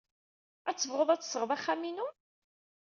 Ad tebɣud ad tesɣed axxam-inu?